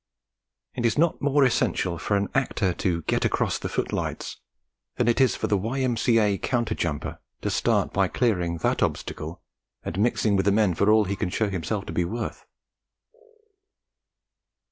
It is not more essential for an actor to 'get across the footlights' than it is for the Y.M.C.A. counter jumper to start by clearing that obstacle, and mixing with the men for all he can show himself to be worth.